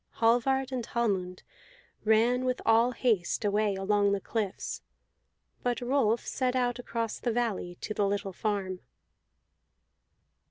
Hallvard and Hallmund ran with all haste away along the cliffs, but Rolf set out across the valley to the little farm.